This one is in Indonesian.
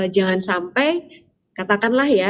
jangan sampai katakanlah ya